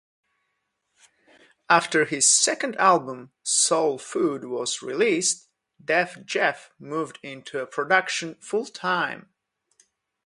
After his second album, "Soul Food", was released, Def Jef moved into production full-time.